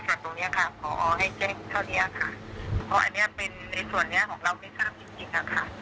ตรงเนี้ยค่ะพอให้แจ้งเท่านี้ค่ะเพราะอันนี้เป็นในส่วนเนี้ยของเราไม่ทราบจริงจริงอะค่ะ